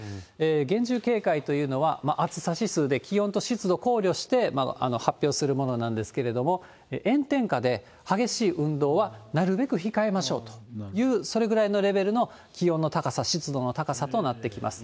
厳重警戒というのは、暑さ指数で気温と湿度考慮して、発表するものなんですけれども、炎天下で激しい運動はなるべく控えましょうという、それぐらいのレベルの気温の高さ、湿度の高さとなってきます。